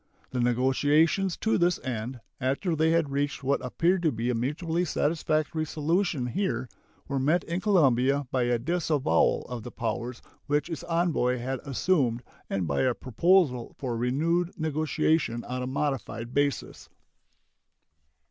The negotiations to this end, after they had reached what appeared to be a mutually satisfactory solution here, were met in Colombia by a disavowal of the powers which its envoy had assumed and by a proposal for renewed negotiation on a modified basis.